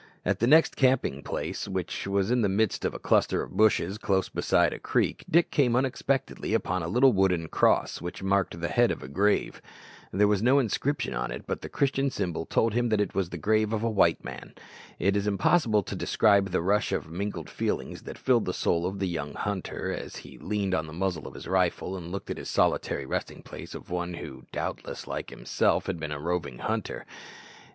At his next camping place, which was in the midst of a cluster of bushes close beside a creek, Dick came unexpectedly upon a little wooden cross which marked the head of a grave. There was no inscription on it, but the Christian symbol told that it was the grave of a white man. It is impossible to describe the rush of mingled feelings that filled the soul of the young hunter as he leaned on the muzzle of his rifle and looked at this solitary resting place of one who, doubtless like himself, had been a roving hunter.